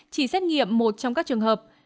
chỉ xét nghiệm một trong các trường hợp